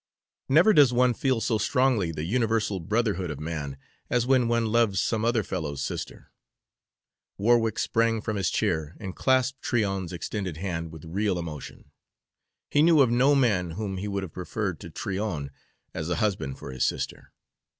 Never does one feel so strongly the universal brotherhood of man as when one loves some other fellow's sister. Warwick sprang from his chair and clasped Tryon's extended hand with real emotion. He knew of no man whom he would have preferred to Tryon as a husband for his sister.